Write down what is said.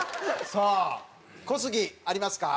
さあ小杉ありますか？